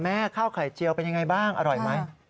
ข้าวไข่เจียวเป็นยังไงบ้างอร่อยไหม